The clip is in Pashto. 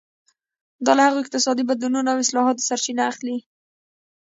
دا له هغو اقتصادي بدلونونو او اصلاحاتو سرچینه اخلي.